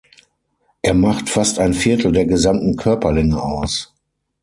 Er macht fast ein Viertel der gesamten Körperlänge aus.